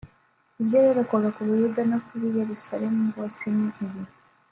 ibyo yerekwaga ku bayuda no kub’i Yerusalemu bose ni ibi…”